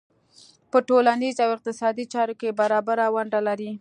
په ټولنیزو او اقتصادي چارو کې برابره ونډه لري.